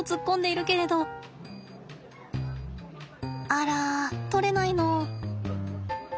あら取れないの。